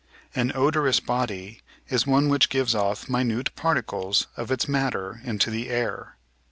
An odorous body is one which gives off minute particles of its matter into the air.